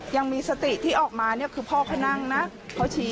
ยังมีสติที่ออกมาเนี่ยคือพ่อก็นั่งนะ